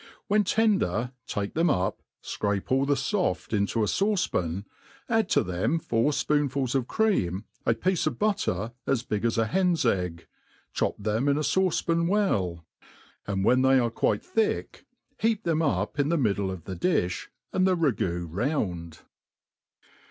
When tender take tben\ up, fcrape all the foft into a &uce pan, add to them foiir fpoonfuls of cre^m, a piece of butter as big as an hen's egg, chop them in a fauce pan well ; and when they are quite thick, heap them up in the middle of the diih^ ^nd the ragoo round.